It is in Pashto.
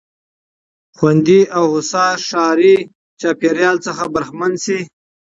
خوندي او هوسا ښاري چاپېريال څخه برخمن سي.